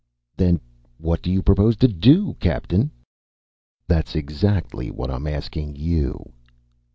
"Then what do you propose to do, Captain?" "That's exactly what I'm asking you."